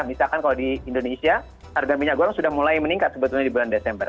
misalkan kalau di indonesia harga minyak goreng sudah mulai meningkat sebetulnya di bulan desember